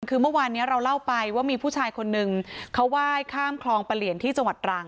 คือเมื่อวานนี้เราเล่าไปว่ามีผู้ชายคนนึงเขาไหว้ข้ามคลองประเหลียนที่จังหวัดตรัง